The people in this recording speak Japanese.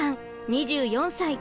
２４歳。